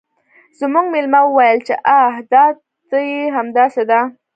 زموږ میلمه وویل چې آه دا ته یې همداسې ده